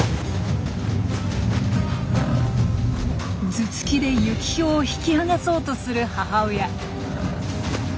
頭突きでユキヒョウを引き剥がそうとする母親。